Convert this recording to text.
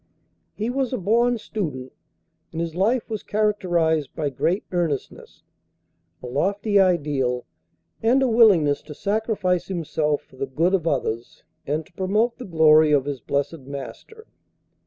He was a born student, and his life was characterized by great earnestness, a lofty ideal, and a willingness to sacrifice himself for the good of others, and to promote the glory of his blessed Master.